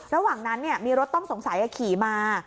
ระหว่างนั้นมีรถต้องสงสัยขี่มา